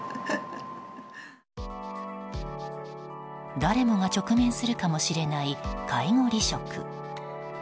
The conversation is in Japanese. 誰もが直面するかもしれない介護離職。